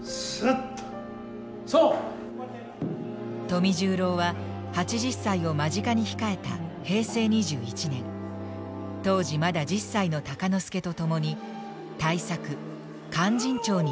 富十郎は８０歳を間近に控えた平成２１年当時まだ１０歳の鷹之資と共に大作「勧進帳」に挑みました。